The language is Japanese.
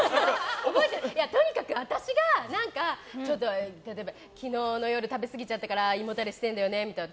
とにかく私が、例えば昨日の夜食べ過ぎちゃったから胃もたれしてんだよね、みたいな。